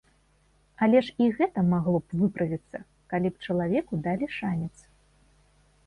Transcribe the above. Але ж і гэта магло б выправіцца, калі б чалавеку далі шанец.